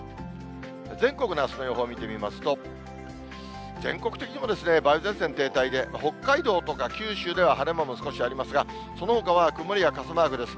全国のあすの予報見てみますと、全国的にも梅雨前線の停滞で、北海道とか九州では晴れ間も少しありますが、そのほかは曇りや傘マークです。